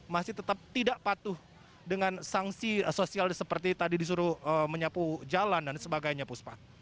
masih tetap tidak patuh dengan sanksi sosial seperti tadi disuruh menyapu jalan dan sebagainya puspa